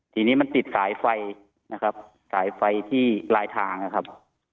ทีนี้มันติดสายไฟนะครับสายไฟที่ลายทางนะครับ